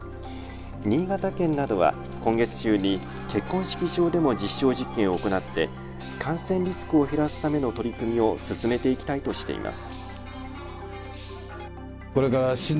新潟県などは今月中に結婚式場でも実証実験を行って感染リスクを減らすための取り組みを進めていきたいとしています。